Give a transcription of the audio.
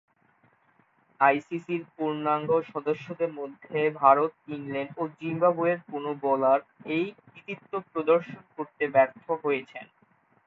আইসিসি’র পূর্ণাঙ্গ সদস্যদের মধ্যে ভারত, ইংল্যান্ড ও জিম্বাবুয়ের কোন বোলার এ কৃতিত্ব প্রদর্শন করতে ব্যর্থ হয়েছেন।